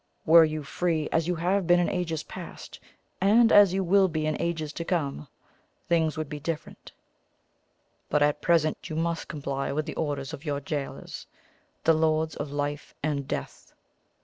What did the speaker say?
Were you free as you have been in ages past and as you will be in ages to come, things would be different; but at present you must comply with the orders of your gaolers the Lords of Life and Death."